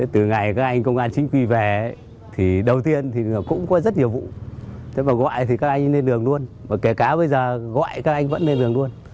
từ ngày các anh công an chính quyền về đầu tiên cũng có rất nhiều vụ gọi thì các anh lên đường luôn kể cả bây giờ gọi thì các anh vẫn lên đường luôn